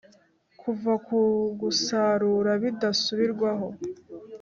kuva ku gusarura bidasubirwaho